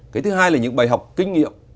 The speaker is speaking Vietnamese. cái thứ hai là những bài học kinh nghiệm